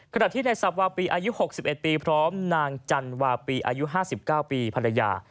ขณะที่ในสับวาปีอายุ๖๑ปีพร้อมนางจันวาปีอายุ๕๙ปีภรรยา